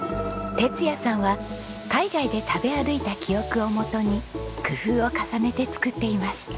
哲也さんは海外で食べ歩いた記憶をもとに工夫を重ねて作っています。